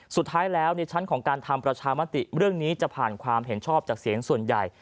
สุดท้ายแล้วในชั้นของการทำประชามติเรื่องนี้จะผ่านความเห็นชอบจากเสียงส่วนใหญ่